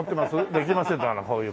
できません」ってほらこういう。